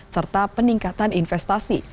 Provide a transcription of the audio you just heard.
serta peningkatan investasi